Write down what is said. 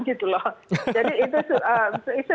gitu loh jadi itu